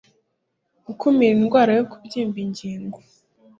gukumira indwara yo kubyimba ingingo